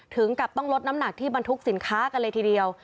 ถึงกับต้องลดน้ำหนักที่บรรทุกสินค้ากันเลยทีเดียว